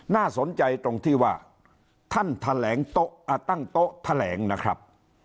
น่าสนใจตรงที่ว่าท่านตั้งโต๊ะแถลงนะครับ